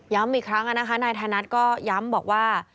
อีกครั้งนะคะนายธนัทก็ย้ำบอกว่า